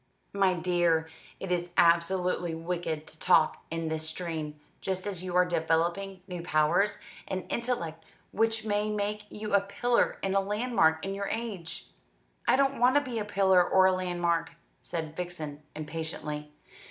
"My dear, it is absolutely wicked to talk in this strain; just as you are developing new powers, an intellect which may make you a pillar and a landmark in your age." "I don't want to be a pillar or a landmark," said Vixen impatiently.